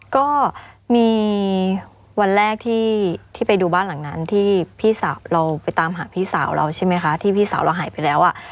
ก็มีวันแรกที่ไปดูบ้านหลังนั้นที่พี่สาวเราไปตามหาพี่สาวเราใช่ไหมคะที่พี่สาวเราหายไปแล้วอ่ะ